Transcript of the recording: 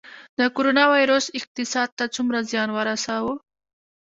د کرونا ویروس اقتصاد ته څومره زیان ورساوه؟